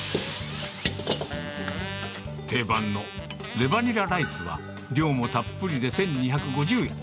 定番のレバニラライスは、量もたっぷりで１２５０円。